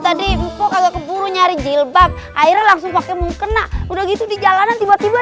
tadi ibu kok kalau keburu nyari jilbab akhirnya langsung pakai mukena udah gitu di jalanan tiba tiba